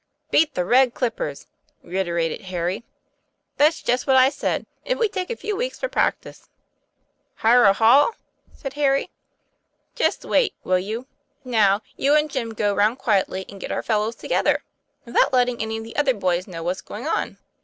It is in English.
"Beat the Red Clippers!" reiterated Harry. "That's just what I said, if we take a few weeks for practice." "Hire a hall?" said Harry. "Just wait, will you? Now, you and Jim go 2o8 TOM PLAY FAIR. round quietly and get our fellows together, without letting any of the other boys know what's going on."